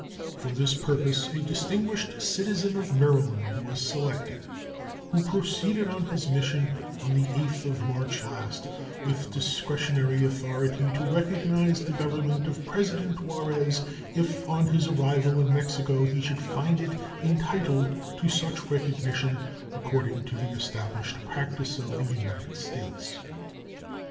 For this purpose a distinguished citizen of Maryland was selected, who proceeded on his mission on the 8th of March last, with discretionary authority to recognize the Government of President Juarez if on his arrival in Mexico he should find it entitled to such recognition according to the established practice of the United States.